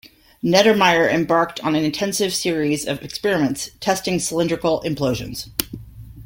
Neddermeyer embarked on an intensive series of experiments testing cylindrical implosions.